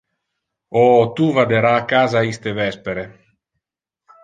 Oh, tu vadera a casa iste vespere!